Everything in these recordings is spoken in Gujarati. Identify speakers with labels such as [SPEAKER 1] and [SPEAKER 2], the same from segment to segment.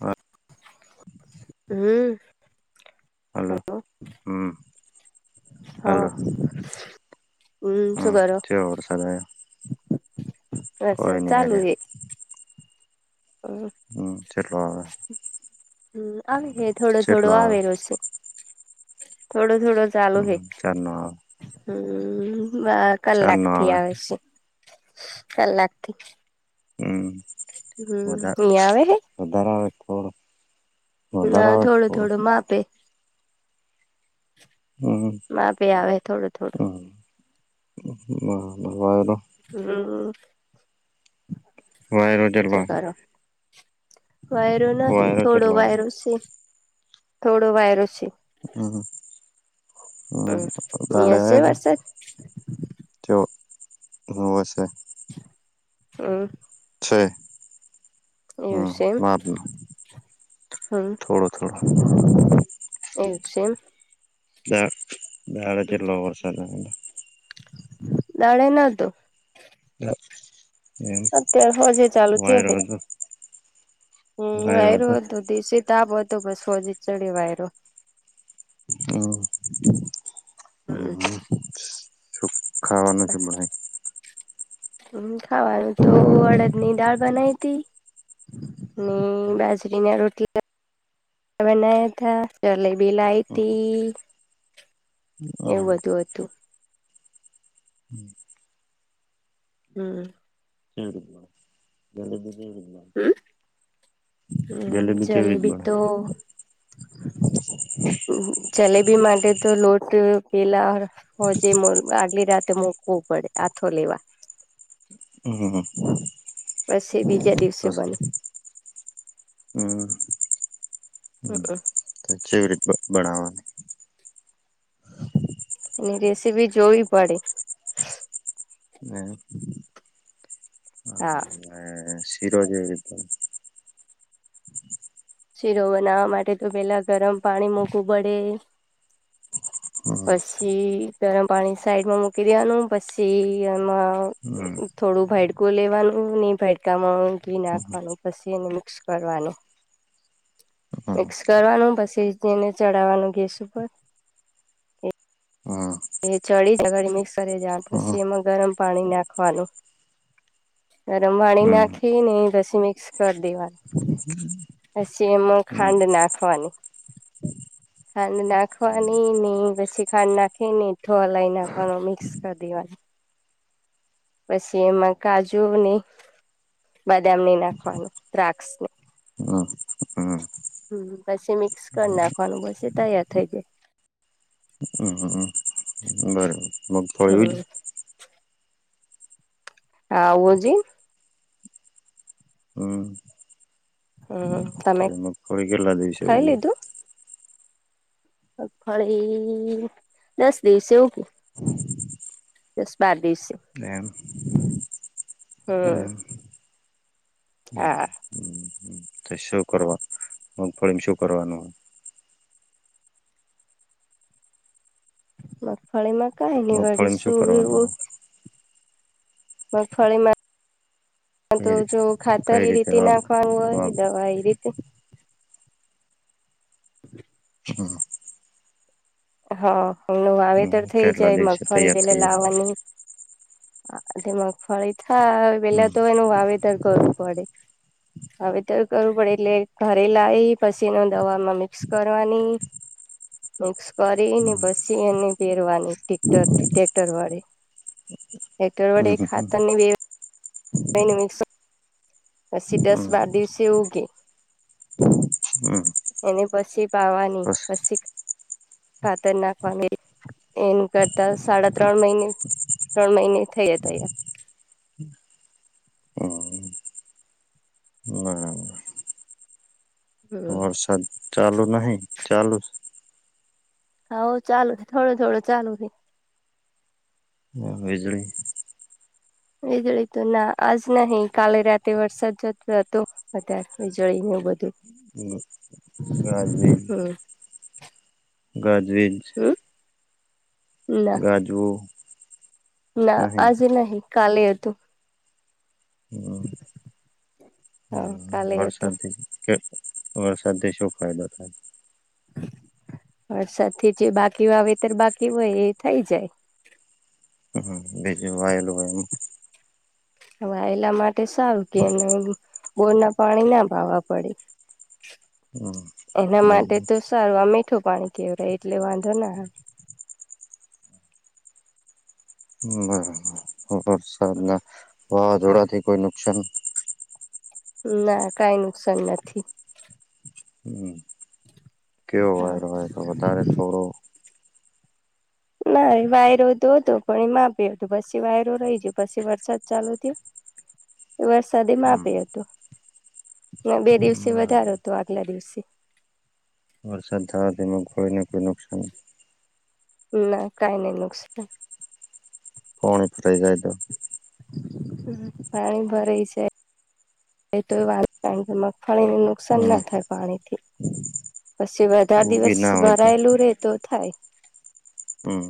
[SPEAKER 1] હા.
[SPEAKER 2] હમ.
[SPEAKER 1] હલો, હ.
[SPEAKER 2] હા
[SPEAKER 1] હલો,
[SPEAKER 2] હમ
[SPEAKER 1] હ. [unintelligible]
[SPEAKER 2] અ સર ચાલુ એે ઓ.
[SPEAKER 1] હમ, ચાલો હ.
[SPEAKER 2] હમ, આવે હ. થોડો થોડો આવેલો છે. થોડું થોડું ચાલુ હે,
[SPEAKER 1] હમ ચાર નો આવે
[SPEAKER 2] હમ બા
[SPEAKER 1] ચાર
[SPEAKER 2] કલાક
[SPEAKER 1] નો
[SPEAKER 2] થી આવે છે, કલાક થી.
[SPEAKER 1] હમ.
[SPEAKER 2] હમ,
[SPEAKER 1] વધા
[SPEAKER 2] અહીયાં આવેે હ.
[SPEAKER 1] વધારે આવે, થોડું વધારે આવે, થોડું.
[SPEAKER 2] માટે.
[SPEAKER 1] હમ
[SPEAKER 2] માપી આવે, થોડું થોડું.
[SPEAKER 1] નાવારો [unintelligible]
[SPEAKER 2] હમ,
[SPEAKER 1] વાયરો ચેટલો આયો
[SPEAKER 2] શકારો. વાયરો નહીં,
[SPEAKER 1] વાયરો
[SPEAKER 2] થોડો
[SPEAKER 1] ચેટલો આયો
[SPEAKER 2] વાયરો છે. થોડો વાયરો છે.
[SPEAKER 1] હમ
[SPEAKER 2] હમ અહિયાં છે
[SPEAKER 1] હમાડ
[SPEAKER 2] વરસાદ
[SPEAKER 1] તો [inaudible] તે હશે.
[SPEAKER 2] હમ
[SPEAKER 1] છે
[SPEAKER 2] એવું
[SPEAKER 1] હમ
[SPEAKER 2] છે એમ
[SPEAKER 1] માપ નો થોડોક થોડા [inaudible]
[SPEAKER 2] એ છે.
[SPEAKER 1] અ [inaudible] વરસાદ
[SPEAKER 2] દાણે ના તો
[SPEAKER 1] એમ
[SPEAKER 2] અત્યારે હોજે ચાલુ થયો હે
[SPEAKER 1] વાયરોંધ. [unintelligible]
[SPEAKER 2] હમ, વાયરો હતું. દિવસે તાપ હતું, બસ ફો ચડીયો વાયરો.
[SPEAKER 1] હમ હ સુ ખાવાનું છે બાઈ. [unintelligible] [inaudible]
[SPEAKER 2] હ ખાવાનું તો અડદ ની દાળ બનાયી હતી. બાજરીને રોટલા બનાયા થા જલેબી લાઇતી એવું બધું હતું. હમ.
[SPEAKER 1] જોમાં ગરે જોમાં.
[SPEAKER 2] હમ. હમ
[SPEAKER 1] કેવી રીત
[SPEAKER 2] જલેબી
[SPEAKER 1] બને?
[SPEAKER 2] તો. જલેબી માટે તો લોટ પેલા હો જે આગલી રાતે મુકવું પડે આાથો લેવા.
[SPEAKER 1] હ.
[SPEAKER 2] પછી બીજ.
[SPEAKER 1] હમ હમ. કેવી રીત બનાવાની
[SPEAKER 2] એની રેસીપી જોવી પડે.
[SPEAKER 1] હમ.
[SPEAKER 2] હા.
[SPEAKER 1] શિરોજધ
[SPEAKER 2] શીરો બનાવવા માટે તો પેલા ગરમ પાણી મૂકવું પડે
[SPEAKER 1] [unintelligible]
[SPEAKER 2] પછી ગરમ પાણી સાઈડમાં મૂકી દેવાનું પછી
[SPEAKER 1] હમ
[SPEAKER 2] એમાં થોડું ભાડકું લેવાનું ને ભાડકામાં ઘી
[SPEAKER 1] હમ
[SPEAKER 2] નાખવાનું પછીને મિક્સ. કરવાનું.
[SPEAKER 1] હમ હમ હમ
[SPEAKER 2] મિક્સ કરવાનું પછીને ચઢાવવાનું ગેસ ઉપર એ ચડી જગળ મિક્સ કરી દે પછી એમાં ગરમ પાણી નાખવાનું. ગરમ પાણી નાખી ને પછી મિક્સ કરી દેવાનું
[SPEAKER 1] હમ.
[SPEAKER 2] પછી એમાં ખાંડ નાખવાની ખાંડ નાખવાની ને પછી ખાંડ નાખી ને એઠો અલાઈ નાખવાનો મિક્સ કરી દેવાનું.
[SPEAKER 1] [unintelligible]
[SPEAKER 2] પછી એમાં કાજુ નહી. બદામ નહી નાખવાની દ્રાક્ષને
[SPEAKER 1] હા.
[SPEAKER 2] હમ પછી મિક્સ કરી નાખવાનું પછી તૈયાર થઇ જાય.
[SPEAKER 1] હ બરા મગફળી
[SPEAKER 2] હમ હ હું હજી.
[SPEAKER 1] હમ.
[SPEAKER 2] હમ
[SPEAKER 1] તો
[SPEAKER 2] તમે.
[SPEAKER 1] મગફળી કેટલા દિવસે
[SPEAKER 2] ખાઈ
[SPEAKER 1] ઉગે?
[SPEAKER 2] લીધું મગફળી દસ દિવસે ઉગે. દસ બાર દિવસે.
[SPEAKER 1] એમ.
[SPEAKER 2] હમ
[SPEAKER 1] એમ હમ
[SPEAKER 2] હા
[SPEAKER 1] હમ, હમ. તો શું કરવા મગફળી શું કરવાનું
[SPEAKER 2] મગફળીમાં કઈ ની
[SPEAKER 1] મગફળીમાં શું કરવાનું
[SPEAKER 2] વળીશુંવું
[SPEAKER 1] હોય
[SPEAKER 2] મગફળીમાં તો
[SPEAKER 1] કઈ રી
[SPEAKER 2] જો
[SPEAKER 1] કઈ
[SPEAKER 2] ખાતરી
[SPEAKER 1] રીતે
[SPEAKER 2] રી
[SPEAKER 1] વાવ
[SPEAKER 2] નાખવાનું
[SPEAKER 1] વાવ
[SPEAKER 2] હોય દવા રી [inaudible] [inaudible] હા હમનું
[SPEAKER 1] હમ
[SPEAKER 2] વાવેતર
[SPEAKER 1] હમ.
[SPEAKER 2] થઈ
[SPEAKER 1] કેટલા
[SPEAKER 2] જાય
[SPEAKER 1] દિવસે
[SPEAKER 2] મગફળી
[SPEAKER 1] તૈયાર
[SPEAKER 2] પેલે
[SPEAKER 1] થઈ જાય
[SPEAKER 2] લાવવાની તે મગફળી થાય પેલા
[SPEAKER 1] હમ
[SPEAKER 2] તો એનું વાવેતર કરવું પડે વાવેતર કરવું પડે એટલે ઘરે લાઈ એ પછી ને દવામાં મિક્સ કરવાની મિક્સ કરીને
[SPEAKER 1] હમ
[SPEAKER 2] પછી એને પેરવાની ટક્ટરથી ટેક્ટર વડે એ તો
[SPEAKER 1] હમ
[SPEAKER 2] વળી
[SPEAKER 1] હમ
[SPEAKER 2] ખાતરની બે [inaudible] પસી દસ
[SPEAKER 1] હમ
[SPEAKER 2] બાર દિવસે ઉગે.
[SPEAKER 1] હમ
[SPEAKER 2] એને પસી પાવાની
[SPEAKER 1] બસ
[SPEAKER 2] પસી ખાતર નાખવાની એન કરતા સાડા ત્રણ મહિને ત્રણ મહિને થયા તૈયાર.
[SPEAKER 1] ના
[SPEAKER 2] હમ
[SPEAKER 1] છ ચાલુ નહીં ચાલુ સ?
[SPEAKER 2] હોવ ચાલુ હે, થોડો થોડો ચાલુ હે.
[SPEAKER 1] હમ વીજળી?
[SPEAKER 2] વીજળી તો ના આજ નહી કાલે રાતે વરસાદ જતો હતો. અતાર વીજળીને એવું બધું.
[SPEAKER 1] હમ ગાજવીજ?
[SPEAKER 2] હમ
[SPEAKER 1] ગાજવીજ?
[SPEAKER 2] હમ ના
[SPEAKER 1] ગાજવું?
[SPEAKER 2] ના
[SPEAKER 1] નહી
[SPEAKER 2] આજે નહીં કાલે હતું.
[SPEAKER 1] હમ
[SPEAKER 2] હા
[SPEAKER 1] હમ
[SPEAKER 2] કાલે હતું
[SPEAKER 1] વરસાદથી કે વરસાદથી શું ફાયદો થાય?
[SPEAKER 2] વરસાદથી જે બાકી વાવેતર બાકી હોય એ થઇ જાય.
[SPEAKER 1] હમ જે જે વાયેલું હોય એમ?
[SPEAKER 2] વાયેલા માટે સારું કે એને એમ બોરના પાણી ના પાવા પડે.
[SPEAKER 1] હમ
[SPEAKER 2] એના માટે તો સારું આ મીઠું પાણી કેવર એટલે વાંધો ના આવે.
[SPEAKER 1] હમ બરોબર વરસાદના
[SPEAKER 2] આવે
[SPEAKER 1] વાવાઝોડાથી કોઈ નુકસાન?
[SPEAKER 2] ના કાઈ નુકસાન નથી.
[SPEAKER 1] હમ કેવો
[SPEAKER 2] હા
[SPEAKER 1] વાયરો આયો તો વધારે થોડો?
[SPEAKER 2] ના એ વાયરો તો હતો પણ એ માપે હતો પસી વાયરો રહી જયો પસી વરસાદ ચાલુ થયો. વરસાદે માપે
[SPEAKER 1] હમ
[SPEAKER 2] હતો. હમણાં બે દિવસે
[SPEAKER 1] બરાબર
[SPEAKER 2] વધાર હતો આગલા દિવસે.
[SPEAKER 1] વરસાદ થયો તેમાં કોઈ ને કોઈ નુકસાન?
[SPEAKER 2] ના કાઈ નહીં નુકસાન.
[SPEAKER 1] પોણી ભરાઈ જાય તો?
[SPEAKER 2] હમ પાણી ભરાઈ જાય એતો વાત તાનથી મગફળીને નુકસાન
[SPEAKER 1] હમ
[SPEAKER 2] ના થાય પાણીથી પસી વર વધાર
[SPEAKER 1] ઉગી
[SPEAKER 2] દિવસ
[SPEAKER 1] ના હોય તો
[SPEAKER 2] ભરાયેલું રે તો થાય.
[SPEAKER 1] હમ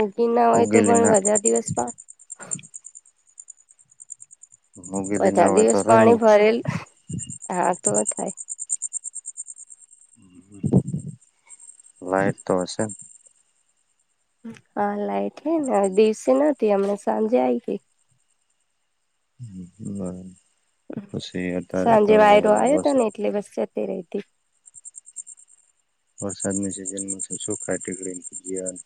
[SPEAKER 2] ઉગી ના હોય તો
[SPEAKER 1] ઉગેલી
[SPEAKER 2] પણ
[SPEAKER 1] ના
[SPEAKER 2] વધારે દિવસમાં.
[SPEAKER 1] ઉગેલી ના
[SPEAKER 2] વધાર
[SPEAKER 1] હોય
[SPEAKER 2] દિવસ
[SPEAKER 1] તો રે
[SPEAKER 2] પાણી ભરેલ હા તો થાય.
[SPEAKER 1] લાઈટ તો હશે ન?
[SPEAKER 2] અ લાઈટ હે ને દિવસે નતી હમણે સાંજે આઈ ગઈ.
[SPEAKER 1] બ પશી અતારે તો બસ
[SPEAKER 2] [inaudible] તે રેહતી
[SPEAKER 1] વરસાદની સીઝનમાં શું ખાય ટિકડીને ભજિયાને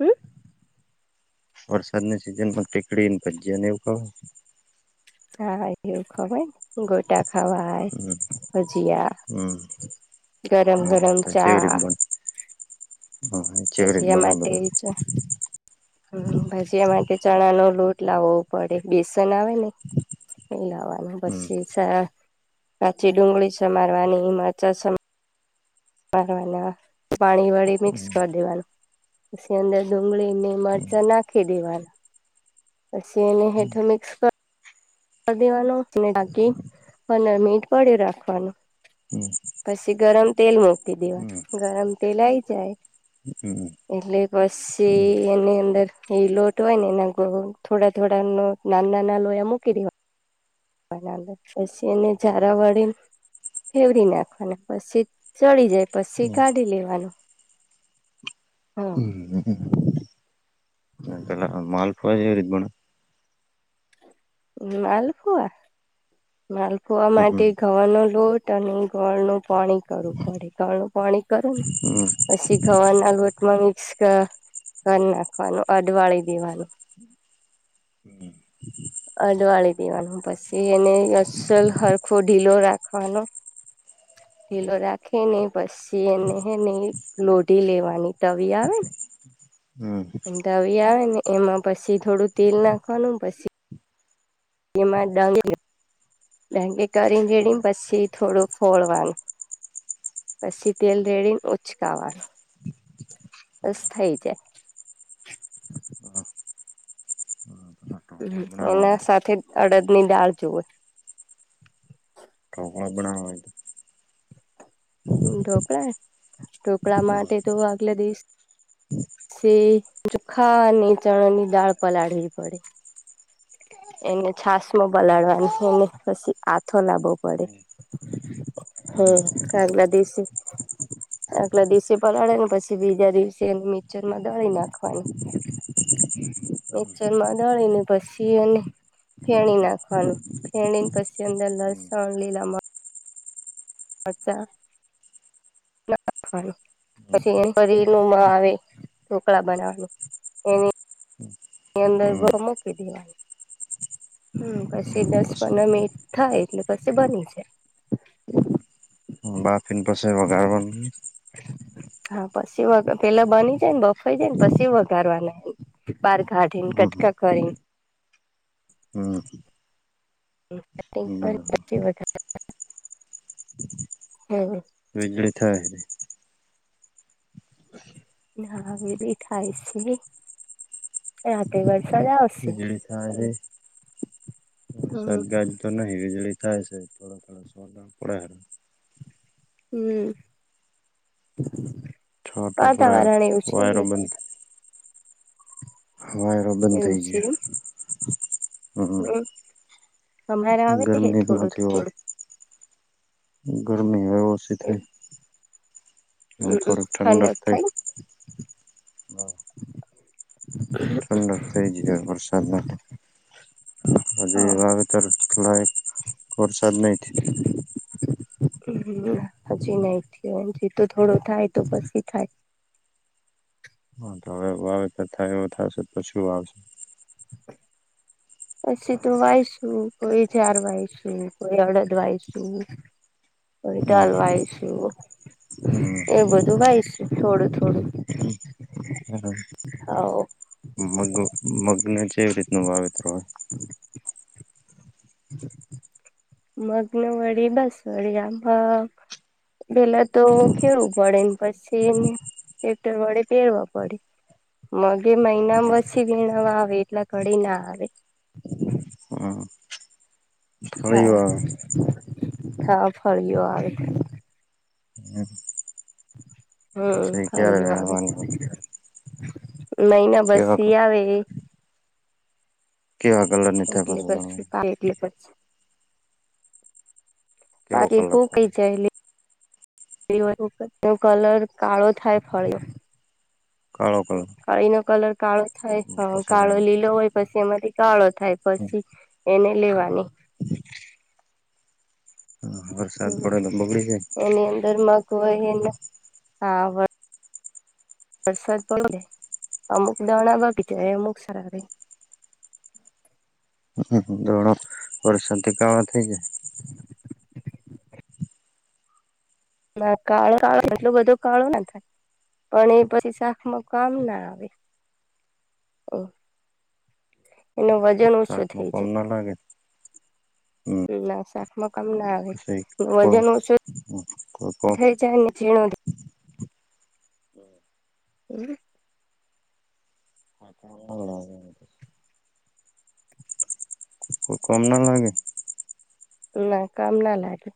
[SPEAKER 2] હમ?
[SPEAKER 1] વરસાદ ની સીઝન માં ટીકડીને ભજીયા ને એવુ ખાવ
[SPEAKER 2] હ એવુ ખવાય ગોટા ખાવાય
[SPEAKER 1] હમ
[SPEAKER 2] ભજિયા.
[SPEAKER 1] હમ.
[SPEAKER 2] ગરમ ગરમ. ચા
[SPEAKER 1] ચેરીત ચવરીત
[SPEAKER 2] ભજીયા
[SPEAKER 1] બણે
[SPEAKER 2] માટે
[SPEAKER 1] બધું.
[SPEAKER 2] હમ ભજીયા માટે ચણા નો લોટ લાવવો પડે બેસન આવે ને. એ લાવવાનું
[SPEAKER 1] હમ
[SPEAKER 2] પછી કાચી ડુંગળી સમારવાની મરચા સમા. મારવાના પાણી વળી મિક્સ
[SPEAKER 1] હમ
[SPEAKER 2] કરી દેવાનું. પછી અંદર ડુંગળી ને
[SPEAKER 1] હમ
[SPEAKER 2] મરચા નાખી દેવાના. પછી એને
[SPEAKER 1] હમ
[SPEAKER 2] હેઠું મિક્સ કર. દેવાનું બાકી પંદર મિનિટ પડ્યું રાખવાનું.
[SPEAKER 1] હમ.
[SPEAKER 2] પછી ગરમ તેલ મૂકી દેવા ગરમ તેલ આઈ જાય.
[SPEAKER 1] હમ.
[SPEAKER 2] એટલે પછી એની અંદર એ લોટ હોય ને એના થોડા થોડાનો. ના ના લોએ મૂકી દેવાના હોય. પછીને ઝારાવાળે. ફેવરી નાખવાના પછી ચડી જાય પછી
[SPEAKER 1] હમ
[SPEAKER 2] કાઢી લેવાનું. હા.
[SPEAKER 1] હમ હ
[SPEAKER 2] [inaudible]
[SPEAKER 1] માલપુઆ પણ.
[SPEAKER 2] માલપુઆ માલપુઆ
[SPEAKER 1] હમ
[SPEAKER 2] માટે ઘવા નો લોટ અને ગોળ નૉ પાણી કરવું પડે ગોળ નું પાણી કરે ને.
[SPEAKER 1] હમ
[SPEAKER 2] અી ઘવા ના લોટ મિક્સ કર. ઘર નાખવાનું અઢવાળી દેવાનું.
[SPEAKER 1] હ.
[SPEAKER 2] અઢવાળી દેવાનું પછી એને. સલ હરખો ઢીલો રાખવાનો. ઢીલો રાખી નેહી પછી એને હેને લોઢી લેવાની તવી આવે ને.
[SPEAKER 1] હમ
[SPEAKER 2] તવી આવે ને એમાં પછી થોડું તેલ નાખવાનું પછી. એમાં ડાંગ. લંગે કરીનેેડીને પછી થોડુંક ફોળવાનું. પછી તેલ ધળમ ઓચકાવા. બસ થઈ જાય.
[SPEAKER 1] હા. બનાવવા
[SPEAKER 2] એના
[SPEAKER 1] હોય તો
[SPEAKER 2] સાથે અડદ ની દાળ જોવે.
[SPEAKER 1] ઢોકળ બનાવવા હોય તો.
[SPEAKER 2] ઢોકળા ઢોકળા
[SPEAKER 1] હમ
[SPEAKER 2] માટે તો આગલે દિવસ. તે ચોખ્ખા ને ચણાની દાળ પલાળવી પડે. એને છાસમાં પલાડવાની એને પછી આથો લાવવો પડે. હમ કગલા દેશ. [unintelligible] આગલા દિવસે પલાળે ને, પછી બીજા દિવસે મિક્ચરમાં દળી નાખવાની.
[SPEAKER 1] હા. [inaudible]
[SPEAKER 2] મિકચર માં દળી ને પછી અને ફેણી નાખવાનું, ફેણી પછી અંદર લસણ, લીલા અચ્છા ના [unintelligible] પછી એ પરીર નું આવે ઢોકળા બનાવવાનું એ એની અંદર
[SPEAKER 1] હમ
[SPEAKER 2] બર મૂકી દેવાનુ હમ પછી દસ
[SPEAKER 1] પછી
[SPEAKER 2] પંદર મિનિટ થાય એટલે પછી બની જાય
[SPEAKER 1] બાફી ને પસે વગાર નો
[SPEAKER 2] હા પછી વ પેલા બની જાય ને બફાઈ જાય ને પછી વગારવાનાને પાર હાડન
[SPEAKER 1] હમ
[SPEAKER 2] કટકા કરી
[SPEAKER 1] હમ
[SPEAKER 2] હમ. [unintelligible]
[SPEAKER 1] વીજળી થાય.
[SPEAKER 2] હવે થાય છે. રાત્રે વરસાદ આવશે.
[SPEAKER 1] વીજળી [unintelligible]
[SPEAKER 2] હમ
[SPEAKER 1] વરસાદ ગાજ તો નહીં વીજળી થાય છે.
[SPEAKER 2] હમ. [unintelligible]
[SPEAKER 1] છોટો પડે
[SPEAKER 2] વાતાવરણ એવું છે ને,
[SPEAKER 1] વાયરો
[SPEAKER 2] એટલે.
[SPEAKER 1] બંધ વાયરો બંધ થઇ
[SPEAKER 2] એવું છે
[SPEAKER 1] ગયો.
[SPEAKER 2] એમ
[SPEAKER 1] [unintelligible] હમ,
[SPEAKER 2] અમારે આવે હે થોડું
[SPEAKER 1] ગરમીમાંથી ઓ
[SPEAKER 2] થોડું
[SPEAKER 1] ગરમી હ ઓછી થઈ. હવે
[SPEAKER 2] હમ
[SPEAKER 1] થોડીક
[SPEAKER 2] ઠંડ જ થાય.
[SPEAKER 1] હા. [unintelligible] ઠંડક થઈ જાય, વરસાદ માટે
[SPEAKER 2] થઈ
[SPEAKER 1] હજી. તો વરસાદ નહીં થાય.
[SPEAKER 2] હજી ન જતો, થોડો થાય તો પછી થાય.
[SPEAKER 1] વે વાવે તો થાય, એવો થશે તો શું વાવશે?
[SPEAKER 2] પછી તો વાયશું, કોઈ ચાર વાયસું, કોઈ અડદ વાયશું. કોઈ
[SPEAKER 1] મગ
[SPEAKER 2] દાળ વાવીશું. એ બધું વાવીશું છે, થોડું થોડું.
[SPEAKER 1] હ.
[SPEAKER 2] આવ
[SPEAKER 1] [unintelligible] મગ મગને જેવી રીતનું વાવેતર હોય.
[SPEAKER 2] મગ્ન વડી બાસવડી આમાં [unintelligible] પેલા તો ખેડવું પડેને, પછીને ટેક્ટર વડે પહેરવા પડે. મ બે મહિનામાં પછી વણવા આવે, એટલા ઘડી ના આવે.
[SPEAKER 1] હા.
[SPEAKER 2] હા હા, ફરીયો આવ્યો.
[SPEAKER 1] હમ.
[SPEAKER 2] હમ, સારી વાત
[SPEAKER 1] વેણવાની હોય
[SPEAKER 2] નહીં ના, બસ
[SPEAKER 1] કેવા
[SPEAKER 2] આવે.
[SPEAKER 1] કેવાગલલે નિીઠ્યા પાછ [unintelligible]
[SPEAKER 2] હા.
[SPEAKER 1] કેવો
[SPEAKER 2] બહારી
[SPEAKER 1] કલર થાય
[SPEAKER 2] સુકાઈ ચાલી. નો કલર કાળો થાય ફળ.
[SPEAKER 1] કરો, કરો.
[SPEAKER 2] કળીનો કલર કાળો થાય હા, કાળો
[SPEAKER 1] વેણ
[SPEAKER 2] લીલો હોય પછી અમારે સળો થાય, પછી એ ની લેવાની.
[SPEAKER 1] વરસાદ પડે તો બગડી જાય
[SPEAKER 2] એની અંદર મગ વહીને વરસાદ પડે તો, અમુક દાણા બગડી જાય ને, અમુક સારા રહે.
[SPEAKER 1] હ હ દરો પર શાંત ક થઈ જાય
[SPEAKER 2] ના કાળો કાળો એટલું બધું કાળો ના થાય પણ એ પછી શાકમાં કામ ના આવે. ઓ એનું વજન ઓછું થઈ
[SPEAKER 1] કામ
[SPEAKER 2] જાય
[SPEAKER 1] ના લાગે. હમ
[SPEAKER 2] ના, શાકમાં કામ ના આવે.
[SPEAKER 1] પછી કો
[SPEAKER 2] વજન ઓછું
[SPEAKER 1] કો
[SPEAKER 2] થઈ જાયને, ચીણો. એમ.
[SPEAKER 1] હા. કોઈ કમ ના લાગે
[SPEAKER 2] ના કામ ના લાગે